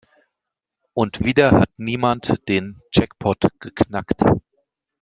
Und wieder hat niemand den Jackpot geknackt.